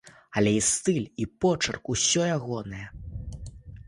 Але і стыль, і почырк усё ягонае.